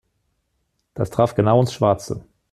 Das traf genau ins Schwarze.